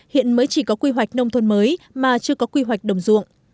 hiện mới chỉ có quy hoạch nông thôn mới mà chưa có quy hoạch đồng ruộng